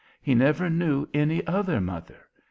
He never knew any other mother.